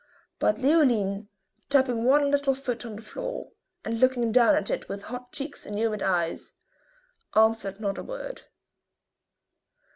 But Leoline, tapping one little foot on the floor, and looking down at it with hot cheeks and humid ayes, answered not a word.